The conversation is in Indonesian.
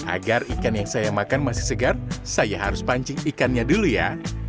agar ikan yang saya makan masih segar saya harus pancing ikannya dulu ya